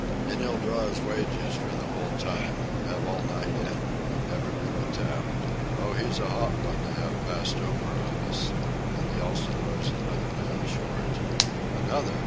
And he'll draw his wages for the whole time, have all night in, and never do a tap. Oh, he's a hot one to have passed over on us, and the Elsinore's another man short." "Another!"